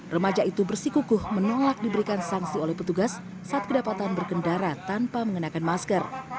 remaja itu bersikukuh menolak diberikan sanksi oleh petugas saat kedapatan berkendara tanpa mengenakan masker